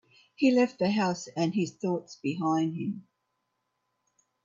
He left the house and his thoughts behind him.